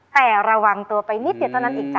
แต่ระวังตัวไปนิดเดียวเท่านั้นอีกจ้